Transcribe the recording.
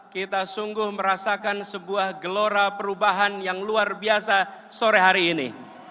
kita sungguh merasakan sebuah gelora perubahan yang luar biasa sore hari ini